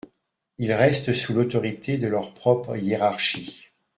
Ils restent sous l’autorité de leur propre hiérarchie.